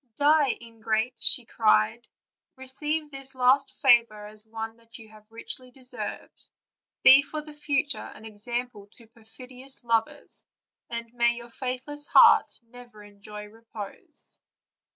"Die, ingrate!" cried she; '"'receive this last favor as one that you have richly deserved ; be for the future an example to perfidious lovers, and may your faithless heart never enjoy repose."